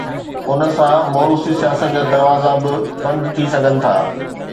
ان سان موروثي سياست جا دروازا به بند ٿي سگهن ٿا.